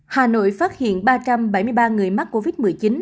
hà nội phát hiện ba trăm bảy mươi ba người mắc covid một mươi chín